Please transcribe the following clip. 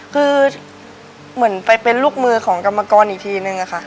คือเหมือนไปเป็นลูกมือของกรรมกรอีกทีนึงอะค่ะ